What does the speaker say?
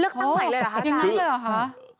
เลือกตั้งใหม่เลยหรอ